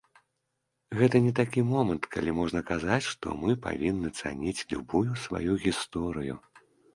Гэта не такі момант, калі можна казаць, што мы павінны цаніць любую сваю гісторыю.